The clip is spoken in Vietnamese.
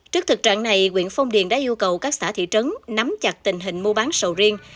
trước thực trạng này huyện phong điền đã yêu cầu các xã thị trấn nắm chặt tình hình mua bán sầu riêng